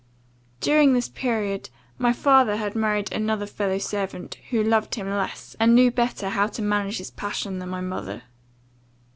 During this period, my father had married another fellow servant, who loved him less, and knew better how to manage his passion, than my mother.